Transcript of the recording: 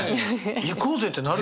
行こうぜってなる！